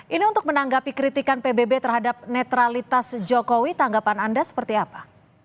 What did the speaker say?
ini untuk menanggapi kritikan pbb terhadap netralitas jokowi tanggapan anda seperti apa